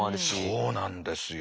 そうなんですよ。